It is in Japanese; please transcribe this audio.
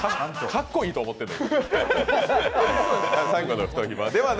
かっこいいと思ってる？